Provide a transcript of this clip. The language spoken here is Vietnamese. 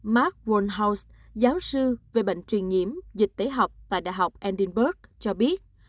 mark warnhouse giáo sư về bệnh truyền nhiễm dịch tế học tại đh edinburgh cho biết